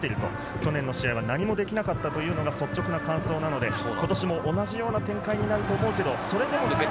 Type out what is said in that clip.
去年の試合は何もできなかったというのが率直な感想なので今年も同じような展開になると思うけど。